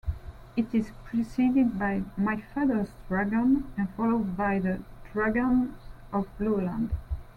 It is preceded by "My Father's Dragon" and followed by "The Dragons of Blueland".